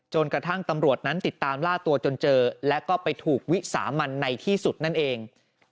ตำรวจนั้นติดตามล่าตัวจนเจอและก็ไปถูกวิสามันในที่สุดนั่นเอง